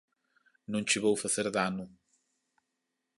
Non che vou facer dano.